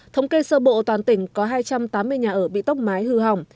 thống kê sơ bộ toàn tỉnh có hai trăm tám mươi nhà ở bị tốc mái hư hỏng